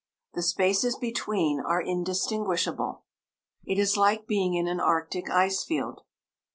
The spaces between are indistinguishable. It is like being in an Arctic ice field.